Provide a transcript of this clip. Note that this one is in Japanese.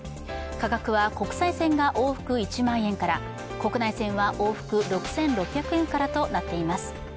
価格は国際線が往復１万円から、国内線は往復６６００円からとなっています。